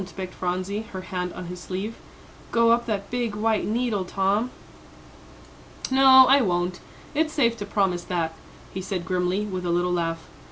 begged Phronsie, her hand on his sleeve, "go up that big white needle, Tom." "No, I won't; it's safe to promise that," he said grimly, with a little laugh.